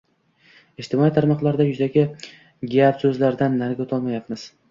Ijtimoiy tarmoqlarda yuzaki gap-so`zlardan nariga o`tolmayapmiz